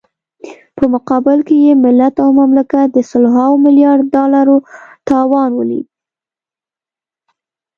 په مقابل کې يې ملت او مملکت د سلهاوو ملیاردو ډالرو تاوان وليد.